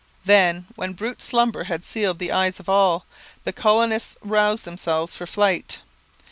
Then, when brute slumber had sealed the eyes of all, the colonists roused themselves for flight.